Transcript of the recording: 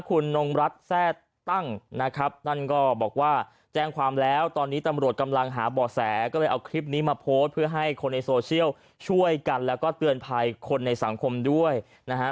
คุณนงรัฐแทร่ตั้งนะครับนั่นก็บอกว่าแจ้งความแล้วตอนนี้ตำรวจกำลังหาบ่อแสก็เลยเอาคลิปนี้มาโพสต์เพื่อให้คนในโซเชียลช่วยกันแล้วก็เตือนภัยคนในสังคมด้วยนะฮะ